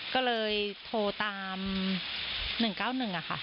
ก็เลยโทรตาม๑๙๑ค่ะ